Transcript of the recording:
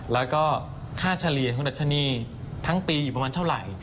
แล้วก็ค่าเฉลี่ยของดัชนีทั้งปีอยู่ประมาณเท่าไหร่